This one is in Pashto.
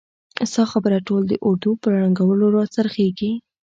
ستا خبره ټول د اردو په ړنګولو را څرخیږي!